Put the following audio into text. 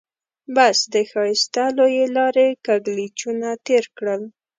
بس د ښایسته لويې لارې کږلېچونه تېر کړل.